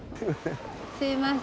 すいません。